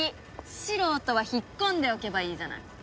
素人は引っ込んでおけばいいじゃない。